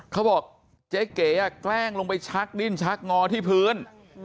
เขาบอกเจ๊เก๋แกล้งลงไปชักดิ้นชักงอที่พื้น